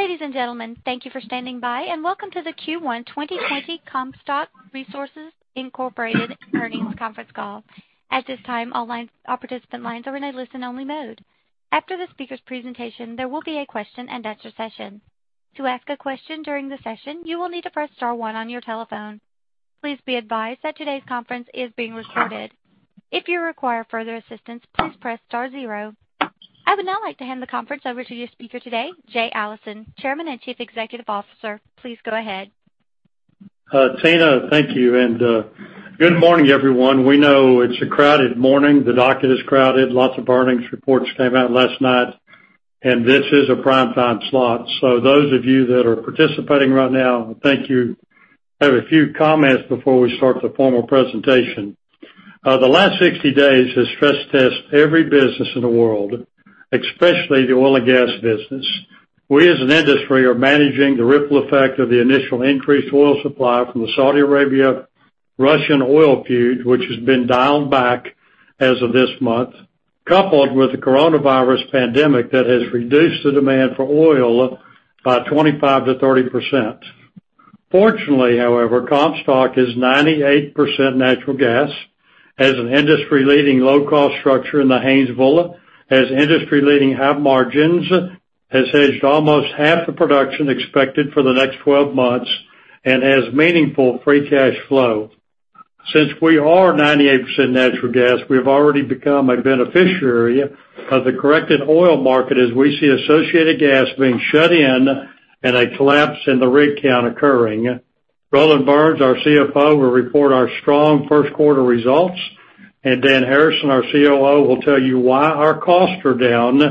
Ladies and gentlemen, thank you for standing by, and welcome to the Q1 2020 Comstock Resources Incorporated earnings conference call. At this time, all participant lines are in a listen-only mode. After the speakers' presentation, there will be a question and answer session. To ask a question during the session, you will need to press star one on your telephone. Please be advised that today's conference is being recorded. If you require further assistance, please press star zero. I would now like to hand the conference over to your speaker today, Jay Allison, Chairman and Chief Executive Officer. Please go ahead. Tina, thank you, and good morning, everyone. We know it's a crowded morning. The docket is crowded. Lots of earnings reports came out last night, and this is a prime-time slot. Those of you that are participating right now, thank you. I have a few comments before we start the formal presentation. The last 60 days has stress-tested every business in the world, especially the oil and gas business. We, as an industry, are managing the ripple effect of the initial increased oil supply from the Saudi Arabia-Russian oil feud, which has been dialed back as of this month, coupled with the coronavirus pandemic that has reduced the demand for oil by 25%-30%. Fortunately, however, Comstock is 98% natural gas, has an industry-leading low-cost structure in the Haynesville, has industry-leading high margins, has hedged almost half the production expected for the next 12 months, and has meaningful free cash flow. Since we are 98% natural gas, we've already become a beneficiary of the corrected oil market as we see associated gas being shut in and a collapse in the rig count occurring. Roland Burns, our CFO, will report our strong first quarter results. Dan Harrison, our COO, will tell you why our costs are down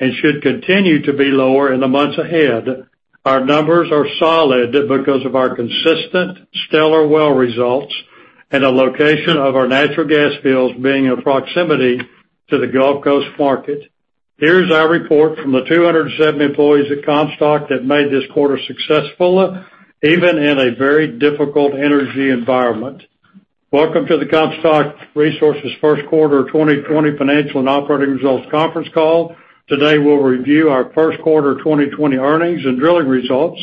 and should continue to be lower in the months ahead. Our numbers are solid because of our consistent stellar well results and the location of our natural gas fields being in proximity to the Gulf Coast market. Here's our report from the 270 employees at Comstock that made this quarter successful, even in a very difficult energy environment. Welcome to the Comstock Resources First Quarter 2020 Financial and Operating Results Conference Call. Today, we'll review our first quarter 2020 earnings and drilling results.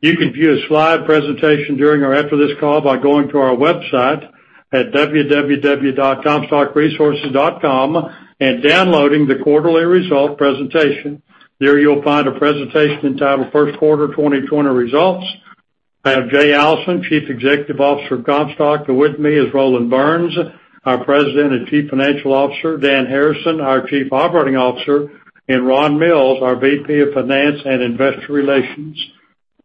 You can view a slide presentation during or after this call by going to our website at www.comstockresources.com and downloading the quarterly result presentation. There, you'll find a presentation entitled First Quarter 2020 Results. I have Jay Allison, Chief Executive Officer of Comstock, and with me is Roland Burns, our President and Chief Financial Officer, Dan Harrison, our Chief Operating Officer, and Ron Mills, our VP of Finance and Investor Relations.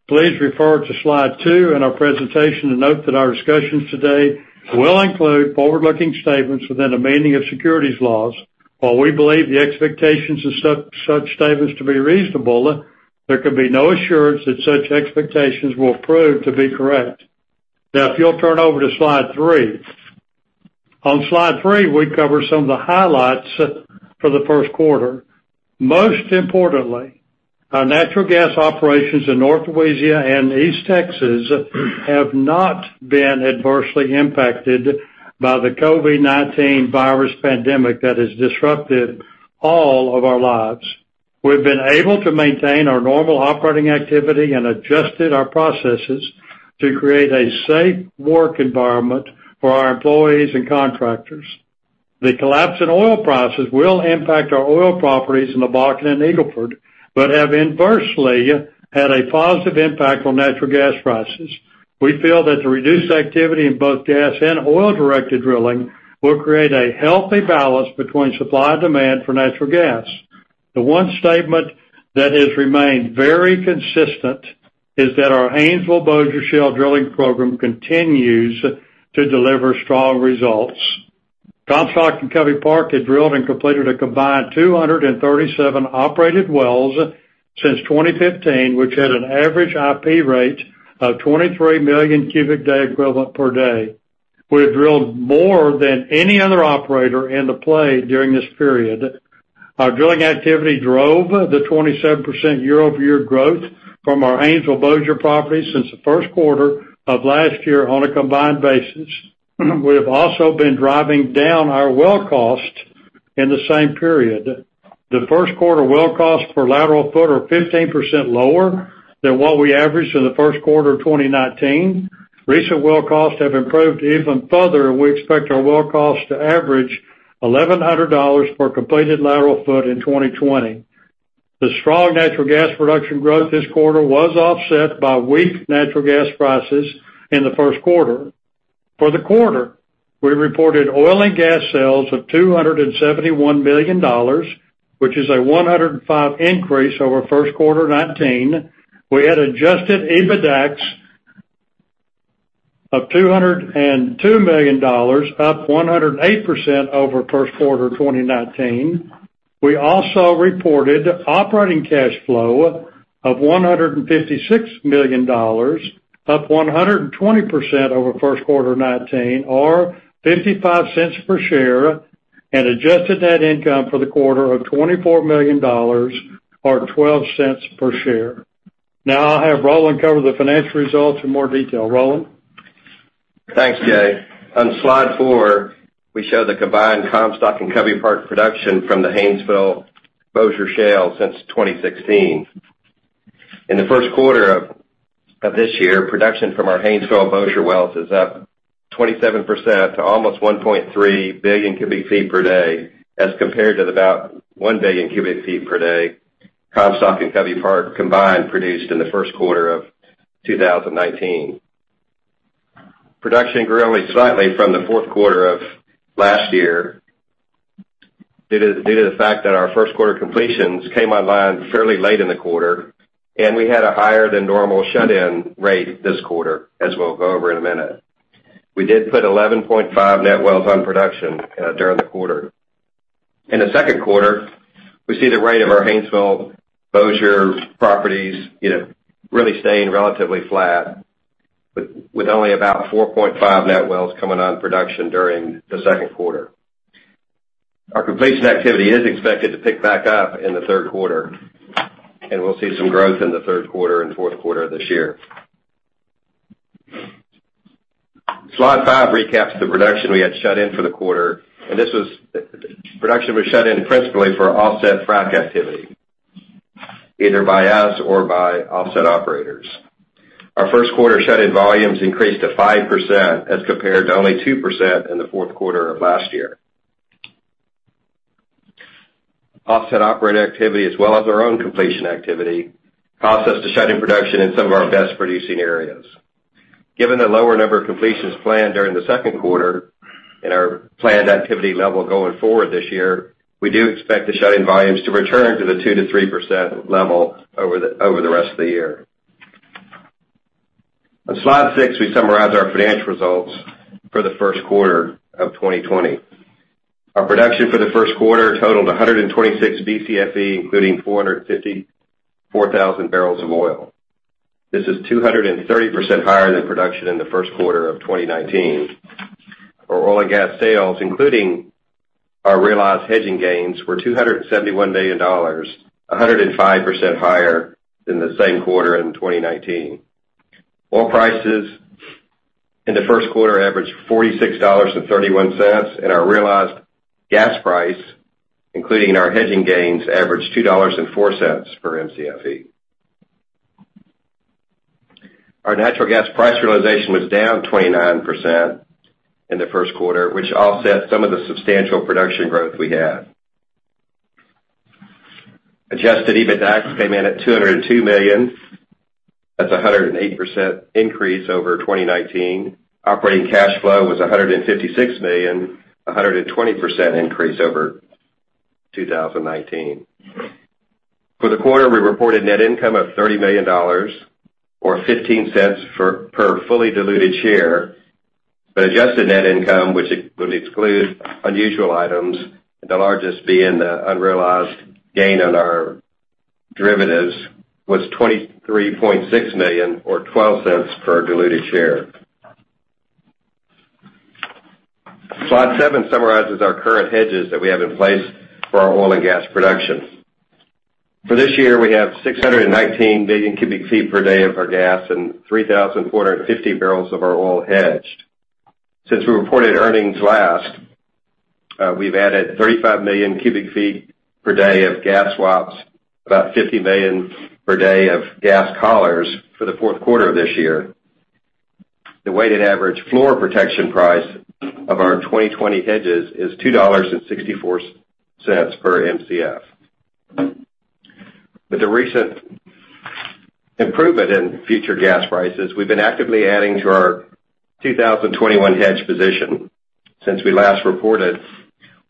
Please refer to Slide two in our presentation and note that our discussions today will include forward-looking statements within the meaning of securities laws. While we believe the expectations of such statements to be reasonable, there can be no assurance that such expectations will prove to be correct. Now, if you'll turn over to Slide three. On Slide three, we cover some of the highlights for the first quarter. Most importantly, our natural gas operations in North Louisiana and East Texas have not been adversely impacted by the COVID-19 virus pandemic that has disrupted all of our lives. We've been able to maintain our normal operating activity and adjusted our processes to create a safe work environment for our employees and contractors. The collapse in oil prices will impact our oil properties in the Bakken and Eagle Ford but have inversely had a positive impact on natural gas prices. We feel that the reduced activity in both gas and oil-directed drilling will create a healthy balance between supply and demand for natural gas. The one statement that has remained very consistent is that our Haynesville Bossier Shale drilling program continues to deliver strong results. Comstock and Covey Park had drilled and completed a combined 237 operated wells since 2015, which had an average IP rate of 23 million cubic feet equivalent per day. We have drilled more than any other operator in the play during this period. Our drilling activity drove the 27% year-over-year growth from our Haynesville Bossier properties since the first quarter of last year on a combined basis. We have also been driving down our well cost in the same period. The first quarter well costs per lateral foot are 15% lower than what we averaged in the first quarter of 2019. We expect our well costs to average $1,100 per completed lateral foot in 2020. The strong natural gas production growth this quarter was offset by weak natural gas prices in the first quarter. For the quarter, we reported oil and gas sales of $271 million, which is a 105% increase over first quarter 2019. We had Adjusted EBITDAX of $202 million, up 108% over first quarter 2019. We also reported operating cash flow of $156 million, up 120% over first quarter 2019, or $0.55 per share, and adjusted net income for the quarter of $24 million or $0.12 per share. Now I'll have Roland cover the financial results in more detail. Roland? Thanks, Jay. On Slide four, we show the combined Comstock and Covey Park production from the Haynesville Bossier Shale since 2016. In the first quarter of this year, production from our Haynesville Bossier wells is up 27% to almost 1.3 Bcf per day, as compared to about 1 Bcf per day, Comstock and Covey Park combined produced in the first quarter of 2019. Production grew only slightly from the fourth quarter of last year due to the fact that our first quarter completions came online fairly late in the quarter, and we had a higher than normal shut-in rate this quarter, as we'll go over in a minute. We did put 11.5 net wells on production during the quarter. In the second quarter, we see the rate of our Haynesville Bossier properties really staying relatively flat with only about 4.5 net wells coming on production during the second quarter. Our completion activity is expected to pick back up in the third quarter, we'll see some growth in the third quarter and fourth quarter of this year. Slide five recaps the production we had shut in for the quarter. Production was shut in principally for offset frac activity, either by us or by offset operators. Our first quarter shut-in volumes increased to 5%, as compared to only 2% in the fourth quarter of last year. Offset operator activity as well as our own completion activity caused us to shut in production in some of our best producing areas. Given the lower number of completions planned during the second quarter and our planned activity level going forward this year, we do expect the shut-in volumes to return to the 2%-3% level over the rest of the year. On Slide six, we summarize our financial results for the first quarter of 2020. Our production for the first quarter totaled 126 Bcfe, including 454,000 barrels of oil. This is 230% higher than production in the first quarter of 2019. Our oil and gas sales, including our realized hedging gains, were $271 million, 105% higher than the same quarter in 2019. Oil prices in the first quarter averaged $46.31, and our realized gas price, including our hedging gains, averaged $2.04 per Mcfe. Our natural gas price realization was down 29% in the first quarter, which offsets some of the substantial production growth we had. Adjusted EBITDAX came in at $202 million. That's 108% increase over 2019. Operating cash flow was $156 million, 120% increase over 2019. For the quarter, we reported net income of $30 million or $0.15 per fully diluted share. Adjusted net income, which would exclude unusual items, the largest being the unrealized gain on our derivatives, was $23.6 million or $0.12 per diluted share. Slide seven summarizes our current hedges that we have in place for our oil and gas productions. For this year, we have 619 billion cubic feet per day of our gas and 3,450 barrels of our oil hedged. Since we reported earnings last, we've added 35 million cubic feet per day of gas swaps, about 50 million per day of gas collars for the fourth quarter of this year. The weighted average floor protection price of our 2020 hedges is $2.64 per Mcf. With the recent improvement in future gas prices, we've been actively adding to our 2021 hedge position. Since we last reported,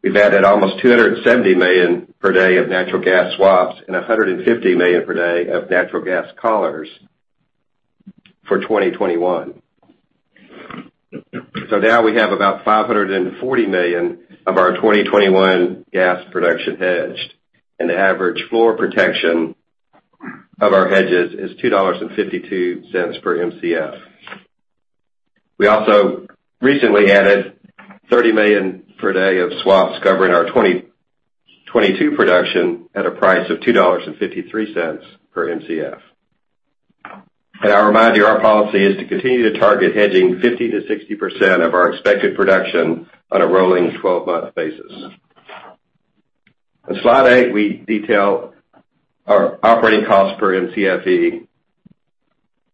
we've added almost $270 million per day of natural gas swaps and $150 million per day of natural gas collars for 2021. Now we have about $540 million of our 2021 gas production hedged, and the average floor protection of our hedges is $2.52 per Mcf. We also recently added $30 million per day of swaps covering our 2022 production at a price of $2.53 per Mcf. I'll remind you, our policy is to continue to target hedging 50%-60% of our expected production on a rolling 12-month basis. On Slide eight, we detail our operating cost per Mcfe,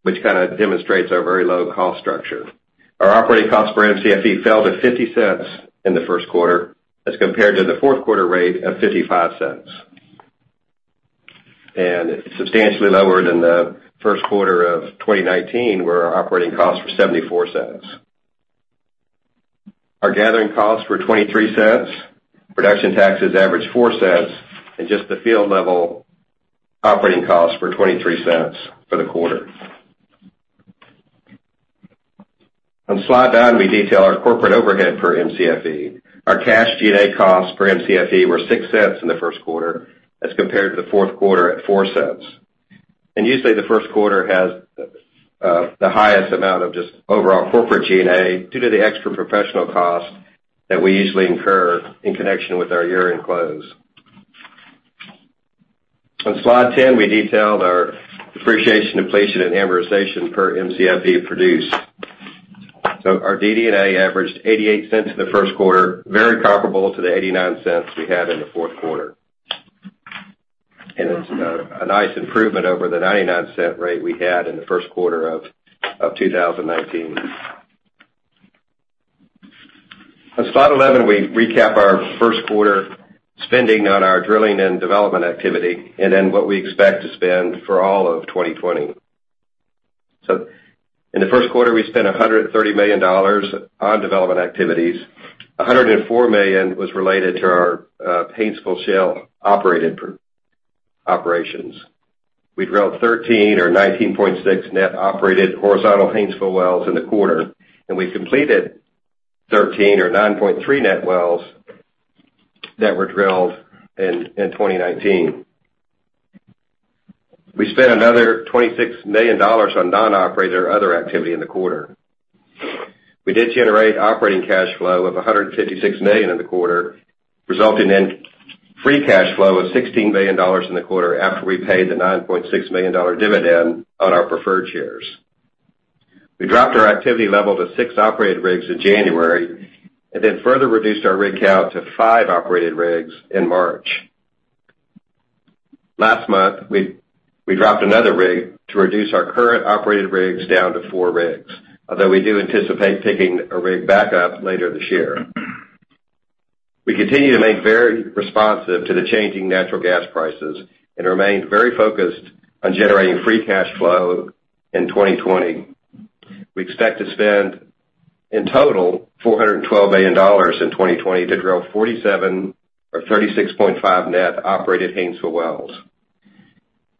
which kind of demonstrates our very low cost structure. Our operating cost per Mcfe fell to $0.50 in the first quarter as compared to the fourth quarter rate of $0.55. It's substantially lower than the first quarter of 2019, where our operating costs were $0.74. Our gathering costs were $0.23, production taxes averaged $0.04, and just the field level operating costs were $0.23 for the quarter. On Slide nine, we detail our corporate overhead per Mcfe. Our cash G&A costs per Mcfe were $0.06 in the first quarter as compared to the fourth quarter at $0.04. Usually, the first quarter has the highest amount of just overall corporate G&A due to the extra professional cost that we usually incur in connection with our year-end close. On Slide 10, we detailed our depreciation, depletion, and amortization per Mcfe produced. Our DD&A averaged $0.88 in the first quarter, very comparable to the $0.89 we had in the fourth quarter. It's a nice improvement over the $0.99 rate we had in the first quarter of 2019. On slide 11, we recap our first quarter spending on our drilling and development activity, and then what we expect to spend for all of 2020. In the first quarter, we spent $130 million on development activities. $104 million was related to our Haynesville Shale operations. We drilled 13 or 19.6 net operated horizontal Haynesville wells in the quarter, and we completed 13 or 9.3 net wells that were drilled in 2019. We spent another $26 million on non-operator other activity in the quarter. We did generate operating cash flow of $156 million in the quarter, resulting in free cash flow of $16 million in the quarter after we paid the $9.6 million dividend on our preferred shares. We dropped our activity level to six operated rigs in January, and then further reduced our rig count to five operated rigs in March. Last month, we dropped another rig to reduce our current operated rigs down to four rigs. Although we do anticipate picking a rig back up later this year. We continue to make very responsive to the changing natural gas prices and remain very focused on generating free cash flow in 2020. We expect to spend in total $412 million in 2020 to drill 47 or 36.5 net operated Haynesville wells.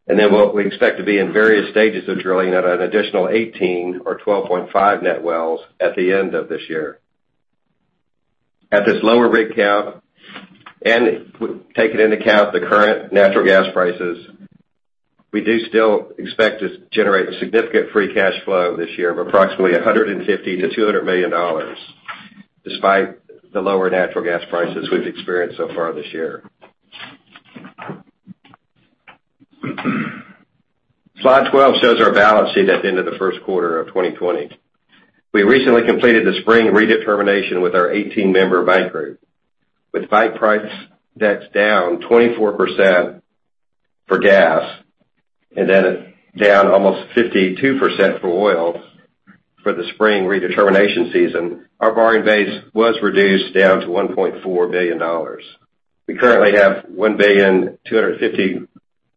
What we expect to be in various stages of drilling at an additional 18 or 12.5 net wells at the end of this year. At this lower rig count, and taking into account the current natural gas prices, we do still expect to generate significant free cash flow this year of approximately $150 million-$200 million, despite the lower natural gas prices we've experienced so far this year. Slide 12 shows our balance sheet at the end of the first quarter of 2020. We recently completed the spring redetermination with our 18-member bank group. With bank price decks down 24% for gas and then down almost 52% for oil for the spring redetermination season, our borrowing base was reduced down to $1.4 billion. We currently have $1.250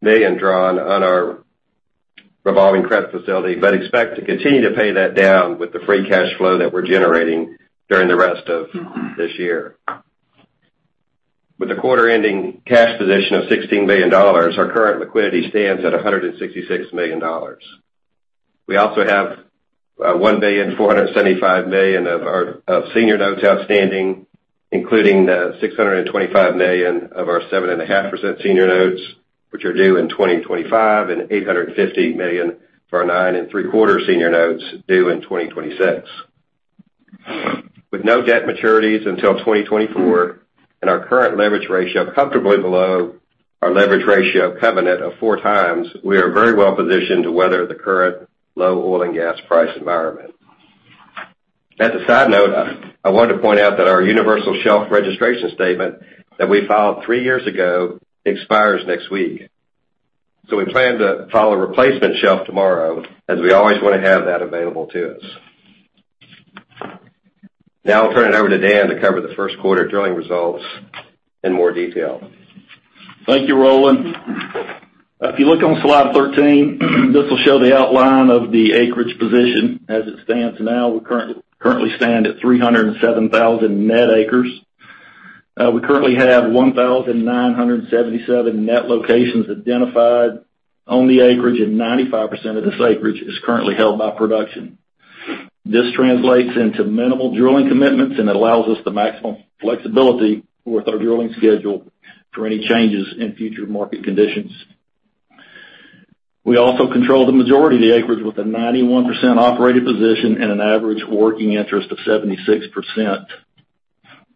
billion drawn on our revolving credit facility, expect to continue to pay that down with the free cash flow that we're generating during the rest of this year. With the quarter-ending cash position of $16 billion, our current liquidity stands at $166 million. We also have $1.475 billion of senior notes outstanding, including the $625 million of our 7.5% senior notes, which are due in 2025, and $850 million for our 9.75% senior notes due in 2026. With no debt maturities until 2024 and our current leverage ratio comfortably below our leverage ratio covenant of four times, we are very well positioned to weather the current low oil and gas price environment. As a side note, I wanted to point out that our universal shelf registration statement that we filed three years ago expires next week. We plan to file a replacement shelf tomorrow, as we always want to have that available to us. I'll turn it over to Dan to cover the first quarter drilling results in more detail. Thank you, Roland. If you look on slide 13, this will show the outline of the acreage position. As it stands now, we currently stand at 307,000 net acres. We currently have 1,977 net locations identified on the acreage, and 95% of this acreage is currently held by production. This translates into minimal drilling commitments and allows us the maximum flexibility with our drilling schedule for any changes in future market conditions. We also control the majority of the acreage with a 91% operated position and an average working interest of 76%.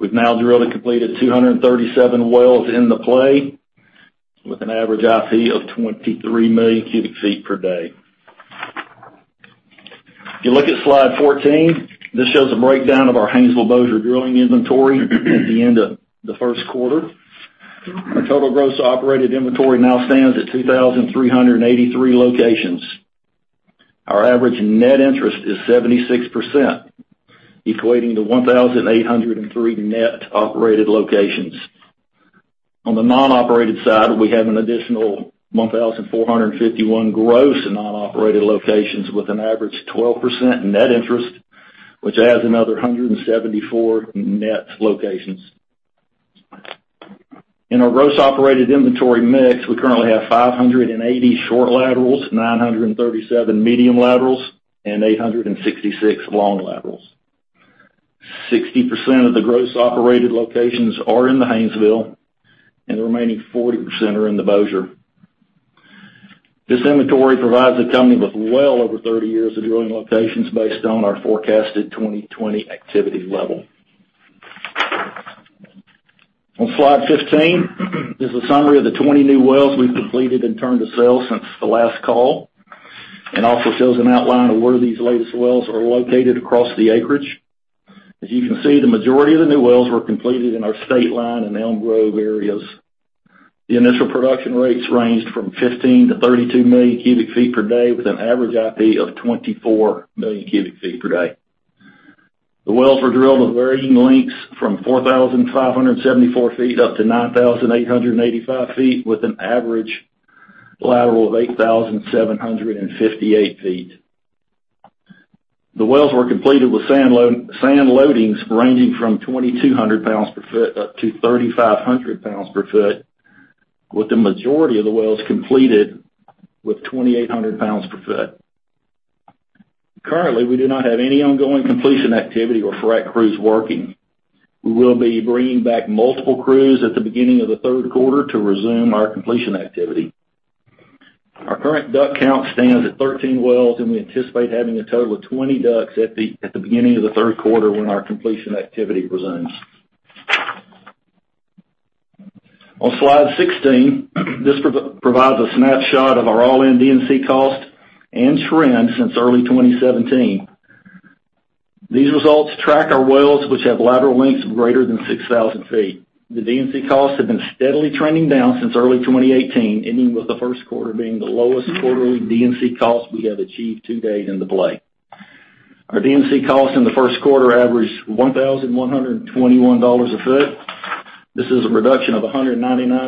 We've now drilled and completed 237 wells in the play with an average IP of 23 million cubic feet per day. If you look at slide 14, this shows a breakdown of our Haynesville Bossier drilling inventory at the end of the first quarter. Our total gross operated inventory now stands at 2,383 locations. Our average net interest is 76%, equating to 1,803 net operated locations. On the non-operated side, we have an additional 1,451 gross non-operated locations with an average 12% net interest, which adds another 174 net locations. In our gross operated inventory mix, we currently have 580 short laterals, 937 medium laterals, and 866 long laterals. 60% of the gross operated locations are in the Haynesville, and the remaining 40% are in the Bossier. This inventory provides the company with well over 30 years of drilling locations based on our forecasted 2020 activity level. On slide 15 is a summary of the 20 new wells we've completed and turned to sale since the last call, and also shows an outline of where these latest wells are located across the acreage. As you can see, the majority of the new wells were completed in our State Line and Elm Grove areas. The initial production rates ranged from 15-32 million cubic feet per day, with an average IP of 24 million cubic feet per day. The wells were drilled with varying lengths from 4,574-9,885 feet, with an average lateral of 8,758 feet. The wells were completed with sand loadings ranging from 2,200-3,500 pounds per foot, with the majority of the wells completed with 2,800 pounds per foot. Currently, we do not have any ongoing completion activity or frac crews working. We will be bringing back multiple crews at the beginning of the third quarter to resume our completion activity. Our current DUC count stands at 13 wells, and we anticipate having a total of 20 DUCs at the beginning of the third quarter when our completion activity resumes. On slide 16, this provides a snapshot of our all-in D&C cost and trend since early 2017. These results track our wells which have lateral lengths greater than 6,000 feet. The D&C costs have been steadily trending down since early 2018, ending with the first quarter being the lowest quarterly D&C cost we have achieved to date in the play. Our D&C costs in the first quarter averaged $1,121 a foot. This is a reduction of $199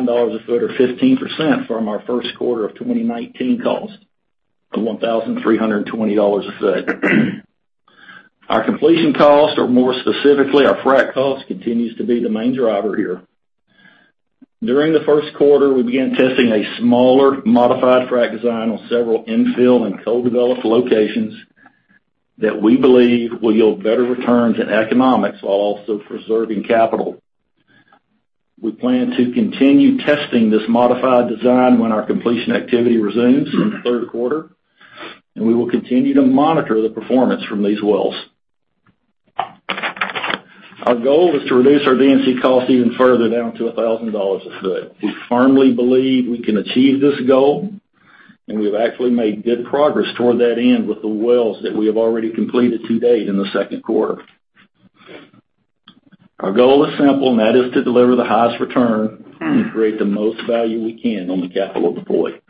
a foot or 15% from our first quarter of 2019 cost of $1,320 a foot. Our completion cost or more specifically, our frac cost, continues to be the main driver here. During the first quarter, we began testing a smaller modified frac design on several infill and co-developed locations that we believe will yield better returns in economics while also preserving capital. We plan to continue testing this modified design when our completion activity resumes in the third quarter, and we will continue to monitor the performance from these wells. Our goal is to reduce our D&C cost even further down to $1,000 a foot. We firmly believe we can achieve this goal, and we have actually made good progress toward that end with the wells that we have already completed to date in the second quarter. Our goal is simple, and that is to deliver the highest return and create the most value we can on the capital deployed.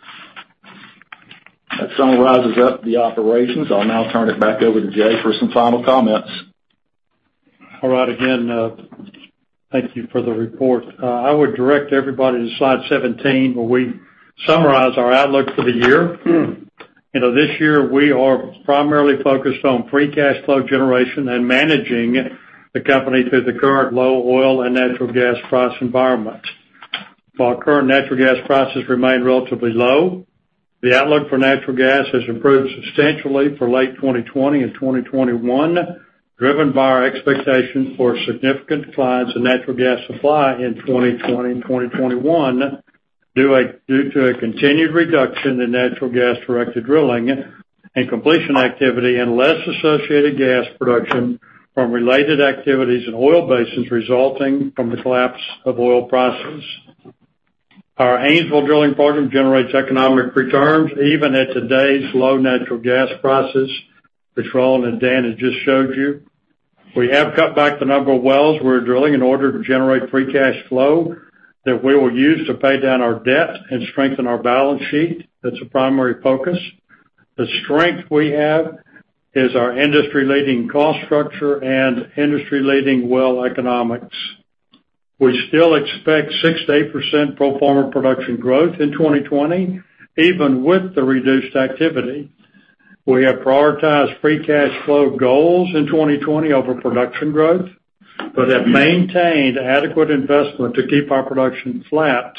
That summarizes up the operations. I'll now turn it back over to Jay for some final comments. All right. Again, thank you for the report. I would direct everybody to slide 17, where we summarize our outlook for the year. This year, we are primarily focused on free cash flow generation and managing the company through the current low oil and natural gas price environment. While current natural gas prices remain relatively low, the outlook for natural gas has improved substantially for late 2020 and 2021, driven by our expectation for significant declines in natural gas supply in 2020 and 2021 due to a continued reduction in natural gas-directed drilling and completion activity and less associated gas production from related activities in oil basins resulting from the collapse of oil prices. Our Haynesville drilling program generates economic returns even at today's low natural gas prices, which Roland and Dan have just showed you. We have cut back the number of wells we're drilling in order to generate free cash flow that we will use to pay down our debt and strengthen our balance sheet. That's the primary focus. The strength we have is our industry-leading cost structure and industry-leading well economics. We still expect 6%-8% pro forma production growth in 2020 even with the reduced activity. We have prioritized free cash flow goals in 2020 over production growth but have maintained adequate investment to keep our production flat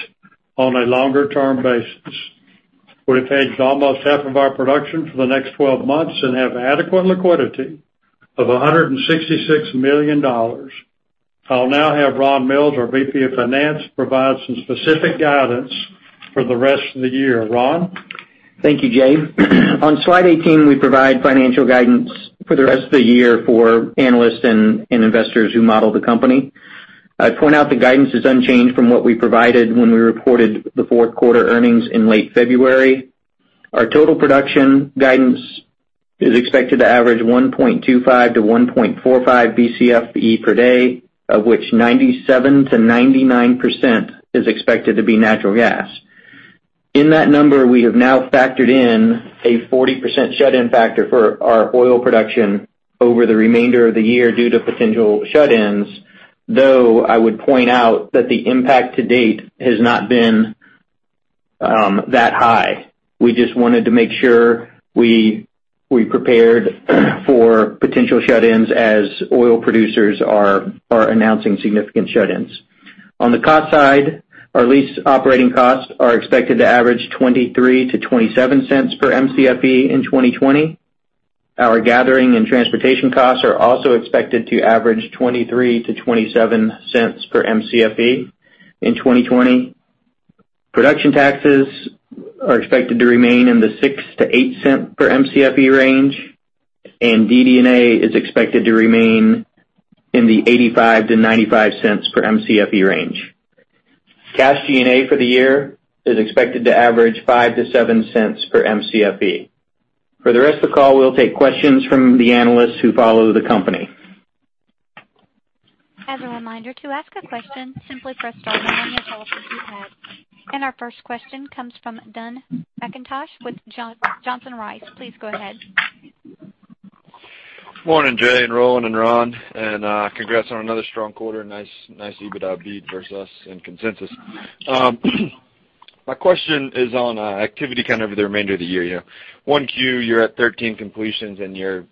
on a longer-term basis. We've hedged almost half of our production for the next 12 months and have adequate liquidity of $166 million. I'll now have Ron Mills, our VP of Finance, provide some specific guidance for the rest of the year. Ron? Thank you, Jay. On slide 18, we provide financial guidance for the rest of the year for analysts and investors who model the company. I point out the guidance is unchanged from what we provided when we reported the fourth quarter earnings in late February. Our total production guidance is expected to average 1.25 to 1.45 Bcfe per day, of which 97%-99% is expected to be natural gas. In that number, we have now factored in a 40% shut-in factor for our oil production over the remainder of the year due to potential shut-ins, though I would point out that the impact to date has not been that high. We just wanted to make sure we prepared for potential shut-ins as oil producers are announcing significant shut-ins. On the cost side, our lease operating costs are expected to average $0.23-$0.27 per Mcfe in 2020. Our gathering and transportation costs are also expected to average $0.23-$0.27 per Mcfe in 2020. Production taxes are expected to remain in the $0.06-$0.08 per Mcfe range. DD&A is expected to remain in the $0.85-$0.95 per Mcfe range. Cash G&A for the year is expected to average $0.05-$0.07 per Mcfe. For the rest of the call, we'll take questions from the analysts who follow the company. As a reminder, to ask a question, simply press star on your telephone keypad. Our first question comes from Dun McIntosh with Johnson Rice. Please go ahead. Morning, Jay and Roland and Ron. Congrats on another strong quarter. Nice EBITDA beat versus consensus. My question is on activity kind of the remainder of the year. 1Q, you're at 13 completions. You're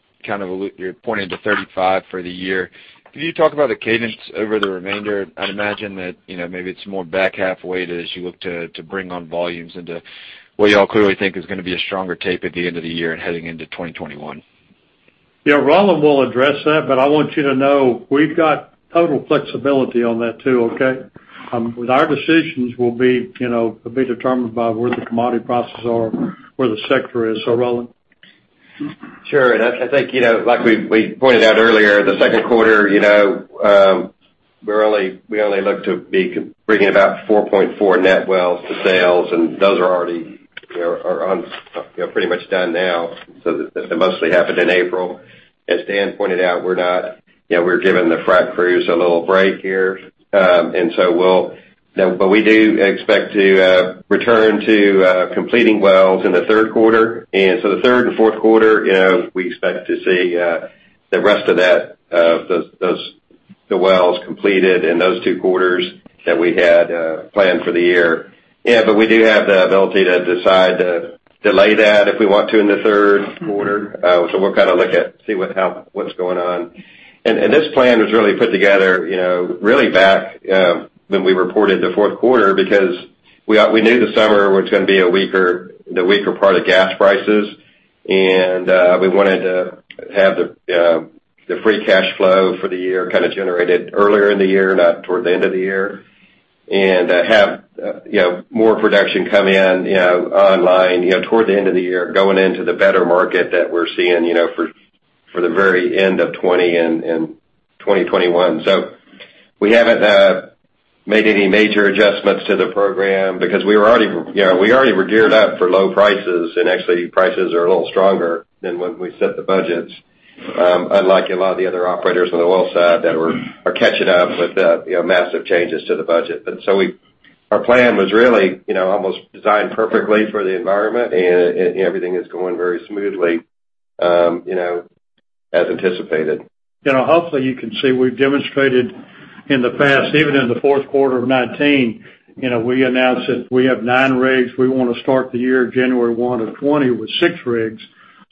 pointing to 35 for the year. Can you talk about the cadence over the remainder? I'd imagine that maybe it's more back half-weighted as you look to bring on volumes into what you all clearly think is going to be a stronger tape at the end of the year and heading into 2021. Yeah. Roland will address that, but I want you to know we've got total flexibility on that too, okay? Our decisions will be determined by where the commodity prices are, where the sector is. Roland. Sure. I think, like we pointed out earlier, the second quarter, we only look to be bringing about 4.4 net wells to sales, and those are already pretty much done now. That mostly happened in April. As Dan pointed out, we're giving the frac crews a little break here. We do expect to return to completing wells in the third quarter. The third and fourth quarter, we expect to see the rest of the wells completed in those two quarters that we had planned for the year. We do have the ability to decide to delay that if we want to in the third quarter. We'll kind of look at, see what's going on. This plan was put together back when we reported the fourth quarter because we knew the summer was going to be the weaker part of gas prices, and we wanted to have the free cash flow for the year kind of generated earlier in the year, not toward the end of the year, and have more production come in online toward the end of the year, going into the better market that we're seeing for the very end of 2020 and 2021. We haven't made any major adjustments to the program because we already were geared up for low prices, and actually, prices are a little stronger than when we set the budgets, unlike a lot of the other operators on the oil side that are catching up with massive changes to the budget. Our plan was really almost designed perfectly for the environment, and everything is going very smoothly, as anticipated. Hopefully you can see we've demonstrated in the past, even in the fourth quarter of 2019, we announced that we have nine rigs. We want to start the year January 1 of 2020 with six rigs.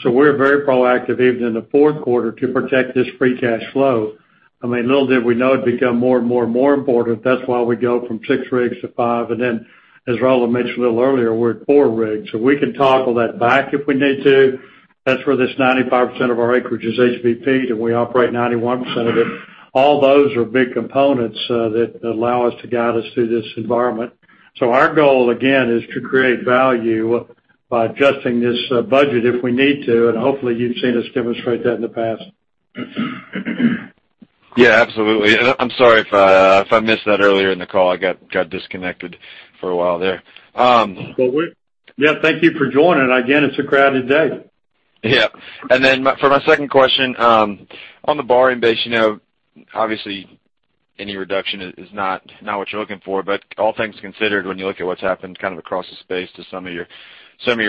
We're very proactive even in the fourth quarter to protect this free cash flow. I mean, little did we know it'd become more and more important. That's why we go from six rigs to five. As Roland mentioned a little earlier, we're at four rigs. We can toggle that back if we need to. That's where this 95% of our acreage is HBP, and we operate 91% of it. All those are big components that allow us to guide us through this environment. Our goal, again, is to create value by adjusting this budget if we need to, and hopefully you've seen us demonstrate that in the past. Yeah, absolutely. I'm sorry if I missed that earlier in the call. I got disconnected for a while there. Yeah. Thank you for joining. Again, it's a crowded day. For my second question, on the borrowing base, obviously any reduction is not what you're looking for, but all things considered, when you look at what's happened kind of across the space to some of your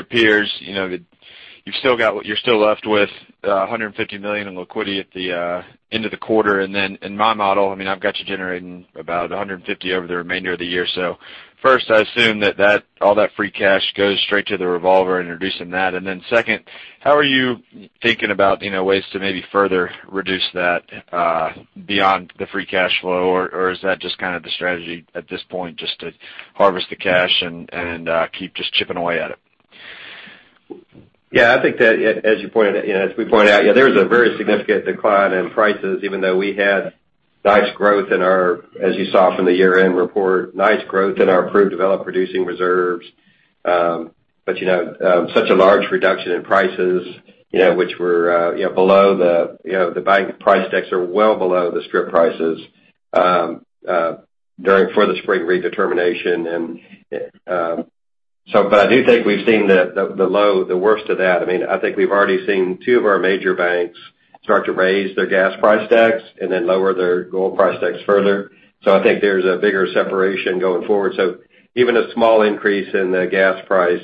peers, you're still left with $150 million in liquidity at the end of the quarter. In my model, I mean, I've got you generating about $150 over the remainder of the year. First, I assume that all that free cash goes straight to the revolver and reducing that. Second, how are you thinking about ways to maybe further reduce that beyond the free cash flow? Or is that just kind of the strategy at this point, just to harvest the cash and keep just chipping away at it? I think that as we pointed out, there's a very significant decline in prices, even though we had, as you saw from the year-end report, nice growth in our proved developed producing reserves. Such a large reduction in prices which were below the buying price decks are well below the strip prices for the spring redetermination. I do think we've seen the low, the worst of that. I think we've already seen two of our major banks start to raise their gas price decks and then lower their oil price decks further. I think there's a bigger separation going forward. Even a small increase in the gas price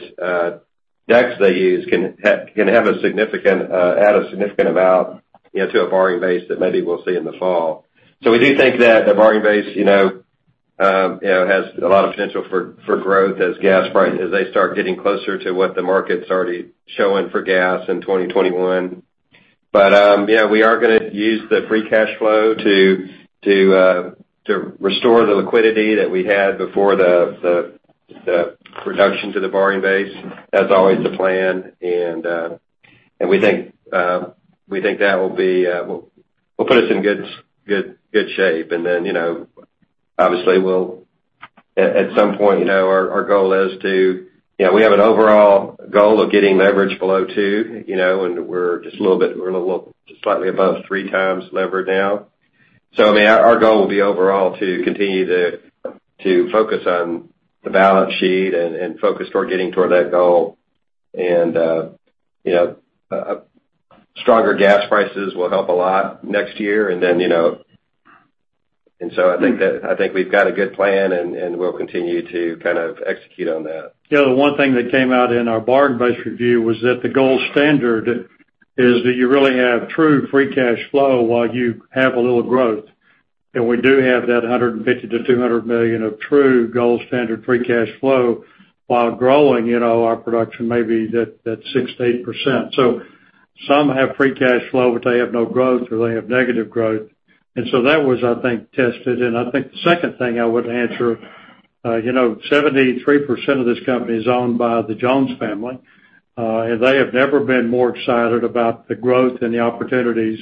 decks they use can add a significant amount to a borrowing base that maybe we'll see in the fall. We do think that the borrowing base has a lot of potential for growth as gas prices, as they start getting closer to what the market's already showing for gas in 2021. Yeah, we are going to use the free cash flow to restore the liquidity that we had before the reduction to the borrowing base. That's always the plan, and we think that will put us in good shape. Obviously, at some point, we have an overall goal of getting leverage below two, and we're a little slightly above three times levered now. Our goal will be overall to continue to focus on the balance sheet and focus toward getting toward that goal. Stronger gas prices will help a lot next year. I think we've got a good plan, and we'll continue to execute on that. The one thing that came out in our bargain-based review was that the gold standard is that you really have true free cash flow while you have a little growth. We do have that $150 million-$200 million of true gold standard free cash flow while growing our production maybe that 6%-8%. Some have free cash flow, but they have no growth, or they have negative growth. That was tested. I think the second thing I would answer, 73% of this company is owned by the Jones family. They have never been more excited about the growth and the opportunities.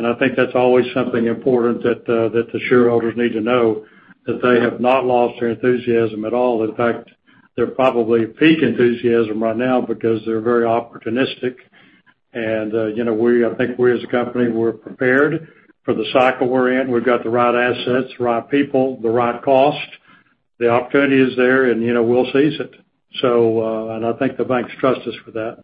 I think that's always something important that the shareholders need to know that they have not lost their enthusiasm at all. In fact, they're probably at peak enthusiasm right now because they're very opportunistic. I think we, as a company, we're prepared for the cycle we're in. We've got the right assets, right people, the right cost. The opportunity is there, and we'll seize it. I think the banks trust us for that.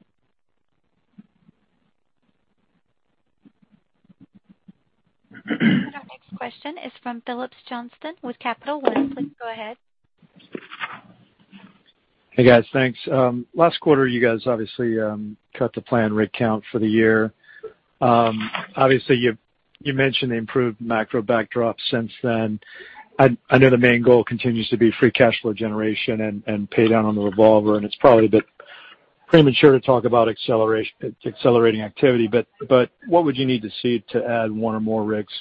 Our next question is from Phillips Johnston with Capital One. Please go ahead. Hey, guys. Thanks. Last quarter, you guys obviously cut the planned rig count for the year. Obviously, you mentioned the improved macro backdrop since then. I know the main goal continues to be free cash flow generation and pay down on the revolver, and it's probably a bit premature to talk about accelerating activity, but what would you need to see to add one or more rigs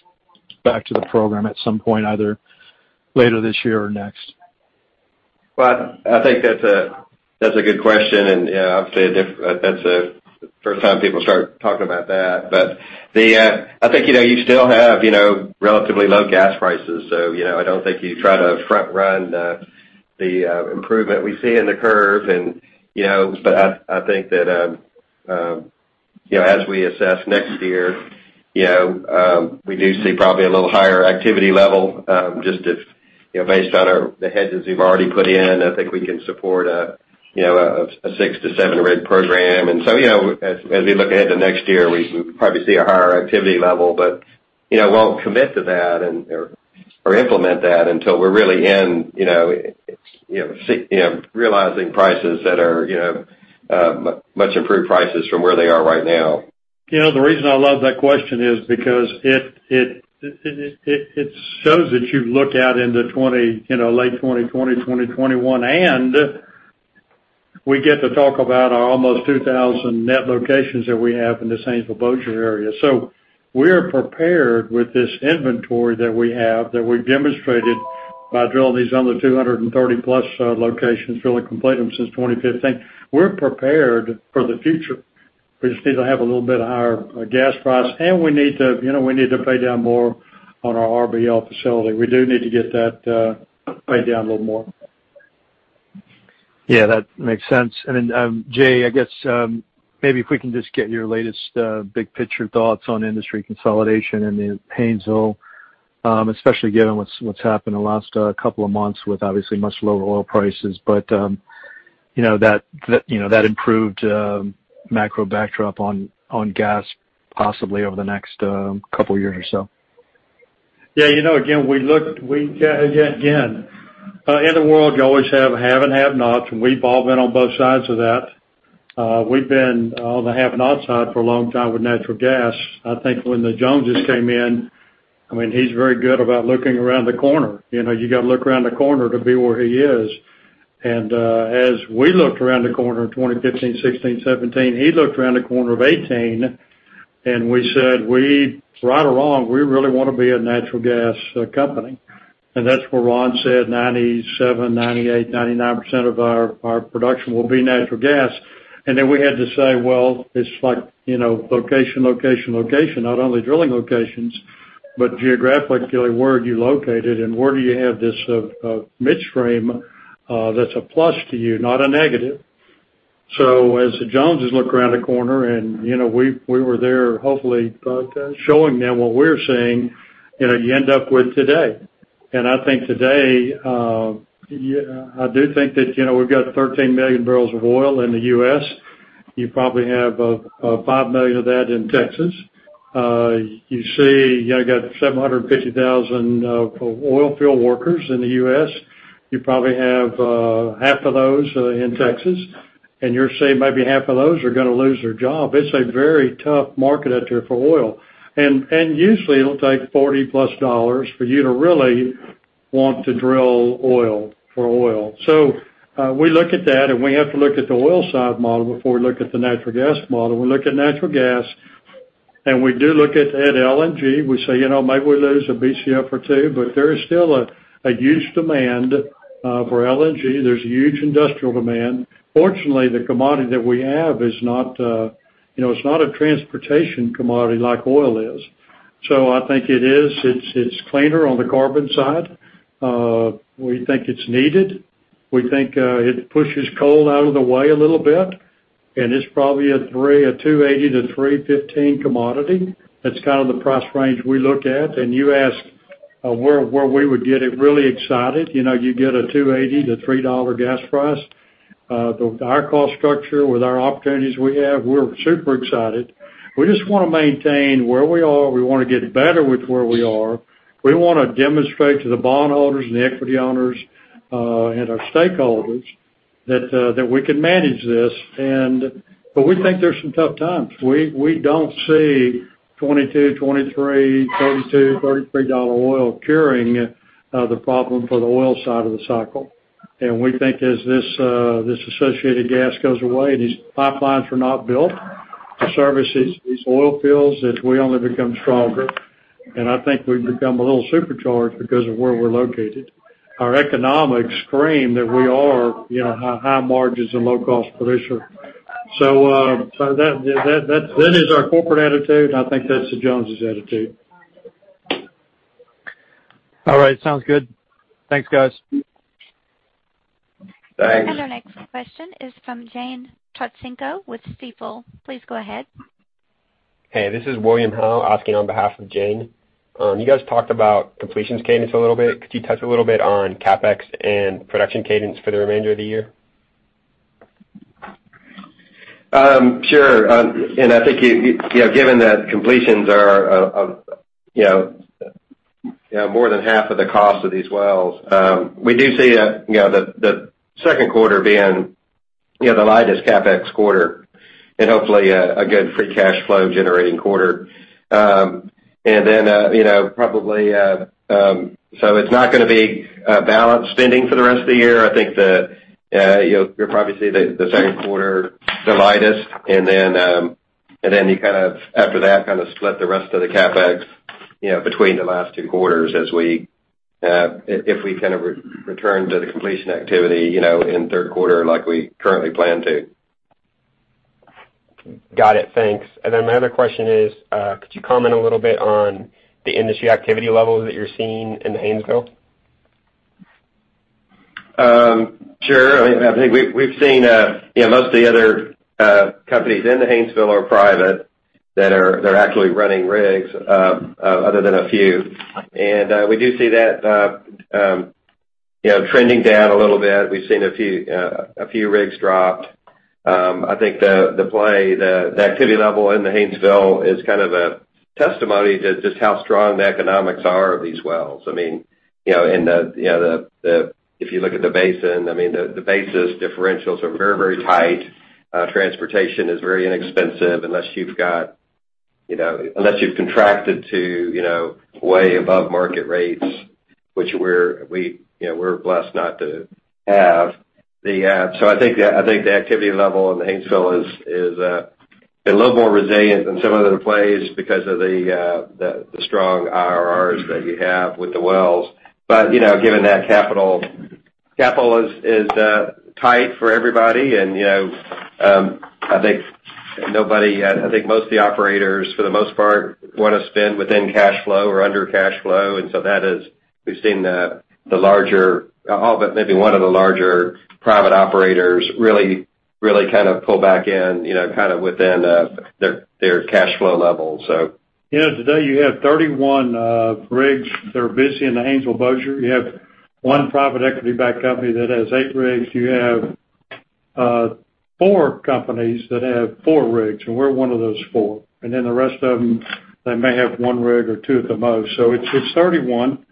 back to the program at some point, either later this year or next? I think that's a good question, and obviously, that's the first time people start talking about that. I think you still have relatively low gas prices, so I don't think you try to front-run the improvement we see in the curve. I think that as we assess next year, we do see probably a little higher activity level. Just based on the hedges we've already put in, I think we can support a six to seven rig program. As we look ahead to next year, we probably see a higher activity level, but won't commit to that or implement that until we're really in realizing prices that are much improved prices from where they are right now. The reason I love that question is because it shows that you look out into late 2020, 2021, and we get to talk about our almost 2,000 net locations that we have in this Haynesville Bossier area. We're prepared with this inventory that we have, that we've demonstrated by drilling these other 230-plus locations, really complete them since 2015. We're prepared for the future. We just need to have a little bit higher gas price, and we need to pay down more on our RBL facility. We do need to get that paid down a little more. Yeah, that makes sense. Jay, I guess, maybe if we can just get your latest big-picture thoughts on industry consolidation and the Haynesville, especially given what's happened in the last couple of months with obviously much lower oil prices. That improved macro backdrop on gas possibly over the next couple of years or so. Yeah. Again, in the world, you always have and have-nots, and we've all been on both sides of that. We've been on the have-not side for a long time with natural gas. I think when the Joneses came in, he's very good about looking around the corner. You got to look around the corner to be where he is. As we looked around the corner in 2015, 2016, 2017, he looked around the corner of 2018, we said, "Right or wrong, we really want to be a natural gas company." That's where Ron said 97%, 98%, 99% of our production will be natural gas. We had to say, well, it's like, location, location, not only drilling locations, but geographically, where are you located, and where do you have this midstream that's a plus to you, not a negative. As the Joneses look around the corner, and we were there hopefully showing them what we're seeing, you end up with today. I think today, I do think that we've got 13 million barrels of oil in the U.S. You probably have five million of that in Texas. You got 750,000 oil field workers in the U.S. You probably have half of those in Texas, and you're saying maybe half of those are going to lose their job. It's a very tough market out there for oil. Usually, it'll take $40-plus for you to really want to drill for oil. We look at that, and we have to look at the oil side model before we look at the natural gas model. We look at natural gas, and we do look at LNG. We say, maybe we lose a BCF or two. There is still a huge demand for LNG. There's a huge industrial demand. Fortunately, the commodity that we have is not a transportation commodity like oil is. I think it's cleaner on the carbon side. We think it's needed. We think it pushes coal out of the way a little bit, and it's probably a $2.80-$3.15 commodity. That's kind of the price range we look at. You asked where we would get really excited. You get a $2.80-$3 gas price. Our cost structure with our opportunities we have, we're super excited. We just want to maintain where we are. We want to get better with where we are. We want to demonstrate to the bondholders and the equity owners, and our stakeholders that we can manage this. We think there's some tough times. We don't see $22, $23, $32, $33 oil curing the problem for the oil side of the cycle. We think as this associated gas goes away, these pipelines are not built to service these oil fields, that we only become stronger. I think we've become a little supercharged because of where we're located. Our economics scream that we are high margins and low-cost producer. That is our corporate attitude, and I think that's the Joneses' attitude. All right. Sounds good. Thanks, guys. Thanks. Our next question is from Jane Trotsenko with Stifel. Please go ahead. Hey, this is William Howell asking on behalf of Jane. You guys talked about completions cadence a little bit. Could you touch a little bit on CapEx and production cadence for the remainder of the year? Sure. I think, given that completions are more than half of the cost of these wells, we do see the second quarter being the lightest CapEx quarter and hopefully a good free cash flow generating quarter. It's not going to be a balanced spending for the rest of the year. I think that you'll probably see the second quarter the lightest, and then after that, kind of split the rest of the CapEx between the last two quarters if we return to the completion activity in the third quarter like we currently plan to. Got it. Thanks. My other question is, could you comment a little bit on the industry activity levels that you're seeing in the Haynesville? Sure. I think we've seen most of the other companies in the Haynesville are private that are actually running rigs, other than a few. We do see that trending down a little bit. We've seen a few rigs dropped. I think the play, the activity level in the Haynesville is kind of a testimony to just how strong the economics are of these wells. If you look at the basin, the basis differentials are very tight. Transportation is very inexpensive unless you've contracted to way above market rates, which we're blessed not to have. I think the activity level in the Haynesville is a little more resilient than some of the other plays because of the strong IRRs that you have with the wells. Given that capital is tight for everybody, and I think most of the operators, for the most part, want to spend within cash flow or under cash flow. We've seen all but maybe one of the larger private operators really pull back in within their cash flow level. Today you have 31 rigs that are busy in the Haynesville Bossier. You have one private equity-backed company that has eight rigs. You have four companies that have four rigs. We're one of those four. The rest of them, they may have one rig or two at the most. It's 31.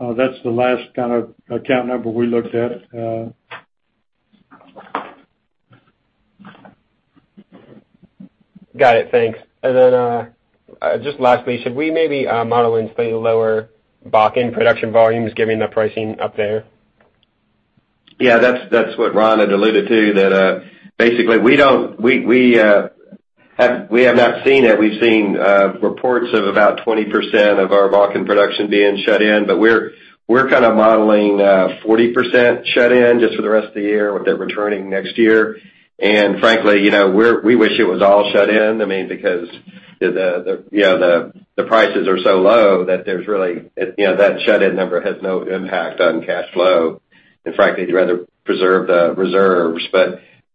That's the last kind of count number we looked at. Got it. Thanks. Just lastly, should we maybe model in slightly lower Bakken production volumes given the pricing up there? Yeah, that's what Ron had alluded to, that basically we have not seen it. We've seen reports of about 20% of our Bakken production being shut in, we're kind of modeling 40% shut in just for the rest of the year, with it returning next year. Frankly, we wish it was all shut in because the prices are so low that that shut-in number has no impact on cash flow. Frankly, you'd rather preserve the reserves.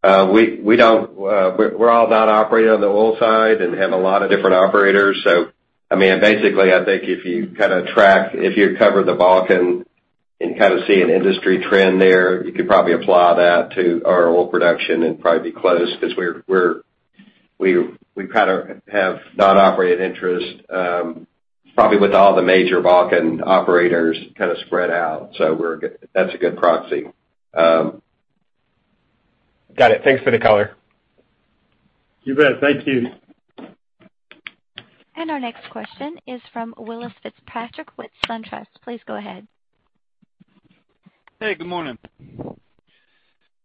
We're all about operating on the oil side and have a lot of different operators. Basically, I think if you cover the Bakken and see an industry trend there, you could probably apply that to our oil production and probably be close because we have non-operated interest probably with all the major Bakken operators spread out. That's a good proxy. Got it. Thanks for the color. You bet. Thank you. Our next question is from Welles Fitzpatrick with SunTrust. Please go ahead. Hey, good morning.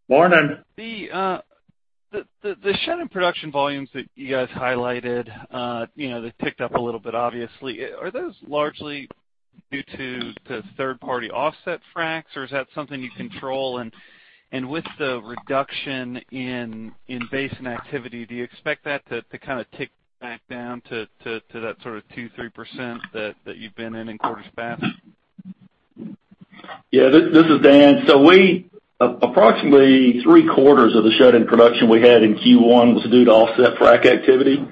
Morning. The shut-in production volumes that you guys highlighted, they've ticked up a little bit, obviously. Are those largely due to third-party offset fracs, or is that something you control? With the reduction in basin activity, do you expect that to tick back down to that 2%, 3% that you've been in in quarters past? Yeah, this is Dan. Approximately three-quarters of the shut-in production we had in Q1 was due to offset frac activity.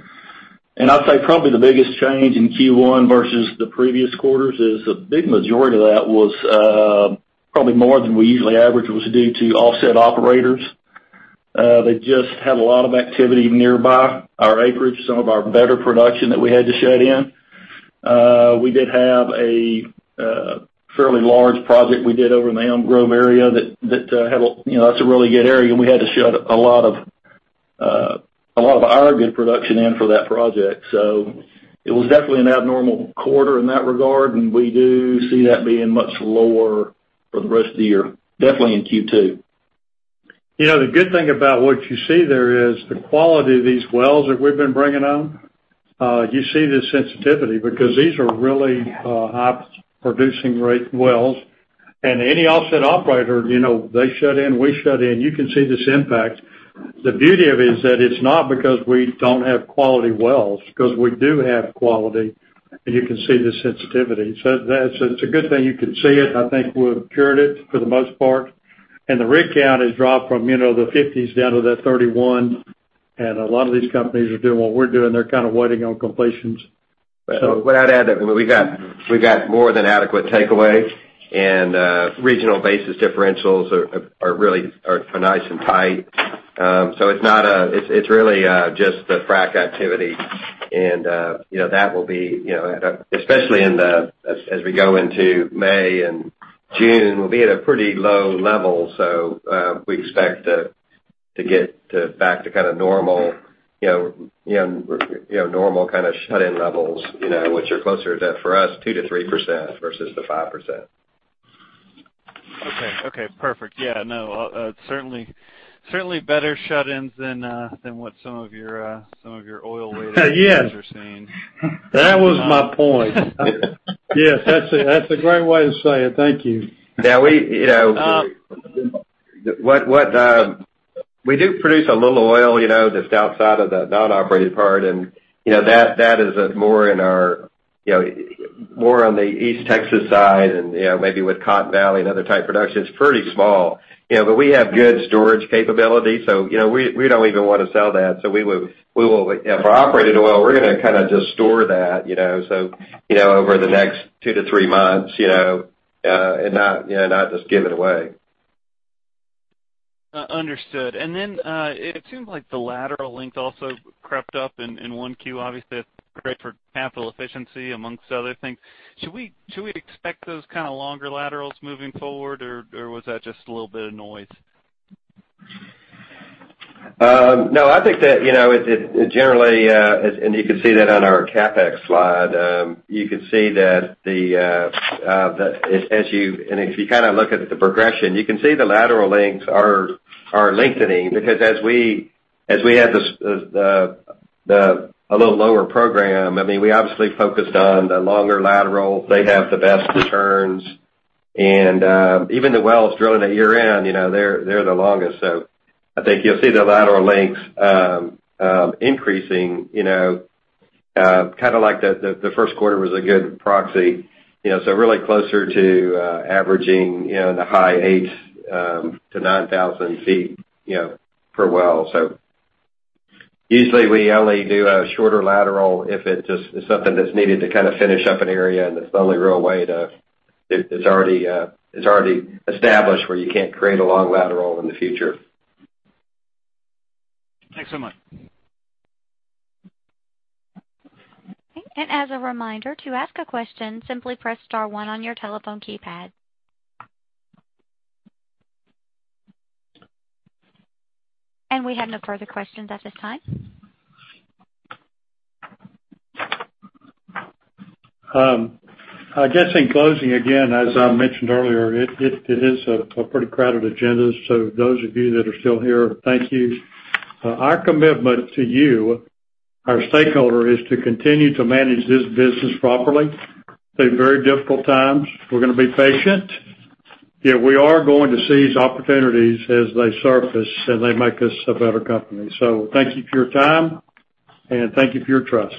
I'd say probably the biggest change in Q1 versus the previous quarters is a big majority of that was probably more than we usually average, was due to offset operators. They just had a lot of activity nearby our acreage, some of our better production that we had to shut in. We did have a fairly large project we did over in the Elm Grove area. That's a really good area, and we had to shut a lot of our good production in for that project. It was definitely an abnormal quarter in that regard, and we do see that being much lower for the rest of the year, definitely in Q2. The good thing about what you see there is the quality of these wells that we've been bringing on. You see the sensitivity, because these are really high-producing rate wells. Any offset operator, they shut in, we shut in. You can see this impact. The beauty of it is that it's not because we don't have quality wells, because we do have quality, and you can see the sensitivity. It's a good thing you can see it. I think we've cured it for the most part. The rig count has dropped from the 50s down to the 31, and a lot of these companies are doing what we're doing. They're waiting on completions. What I'd add, that we've got more than adequate takeaway, and regional basis differentials are nice and tight. It's really just the frac activity, and especially as we go into May and June, we'll be at a pretty low level. We expect to get back to normal shut-in levels, which are closer to, for us, 2%-3% versus the 5%. Okay. Perfect. Yeah, no. Certainly better shut-ins than what some of your oil-related- Yes peers are seeing. That was my point. Yes, that's a great way to say it. Thank you. We do produce a little oil, that's outside of the non-operated part, and that is more on the East Texas side and maybe with Cotton Valley and other type productions. It's pretty small. We have good storage capability, so we don't even want to sell that. For operated oil, we're going to just store that over the next two to three months, and not just give it away. Understood. It seems like the lateral length also crept up in one Q. Obviously, that's great for capital efficiency, amongst other things. Should we expect those longer laterals moving forward, or was that just a little bit of noise? No. You can see that on our CapEx slide. If you look at the progression, you can see the lateral lengths are lengthening, because as we had a little lower program, we obviously focused on the longer laterals. They have the best returns. Even the wells drilled at year-end, they're the longest. I think you'll see the lateral lengths increasing. The first quarter was a good proxy, so really closer to averaging the high eight to 9,000 feet per well. Usually we only do a shorter lateral if it's something that's needed to finish up an area, and it's the only real way. It's already established where you can't create a long lateral in the future. Thanks so much. Okay. As a reminder, to ask a question, simply press star one on your telephone keypad. We have no further questions at this time. I guess in closing, again, as I mentioned earlier, it is a pretty crowded agenda, so those of you that are still here, thank you. Our commitment to you, our stakeholder, is to continue to manage this business properly through very difficult times. We're going to be patient, yet we are going to seize opportunities as they surface, and they make us a better company. Thank you for your time, and thank you for your trust.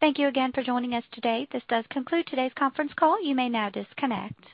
Thank you again for joining us today. This does conclude today's conference call. You may now disconnect.